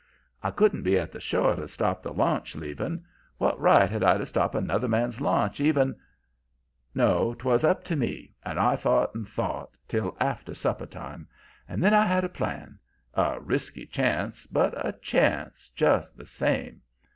I couldn't be at the shore to stop the launch leaving. What right had I to stop another man's launch, even "No, 'twas up to me, and I thought and thought till after supper time. And then I had a plan a risky chance, but a chance, just the same.